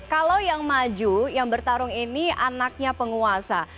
kalau yang maju yang bertarung ini anaknya penguasa